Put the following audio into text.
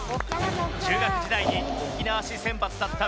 中学時代に沖縄市選抜だった満島。